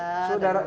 kalau sutradara itu